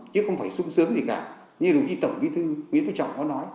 chứ không phải sung sướng gì cả như đúng như tổng viên thư nguyễn tư trọng có nói